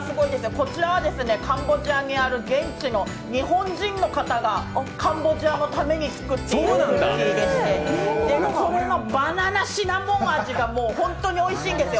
こちらはカンボジアにある現地の日本人の方がカンボジアのために作っているクッキーでしてこれのバナナシナモン味が、もう本当においしいんですよ。